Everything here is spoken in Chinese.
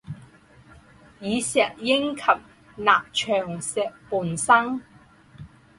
与石英及钠长石伴生。